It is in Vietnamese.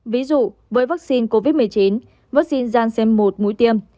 ví dụ với vaccine covid một mươi chín vaccine gian xem một mũi tiêm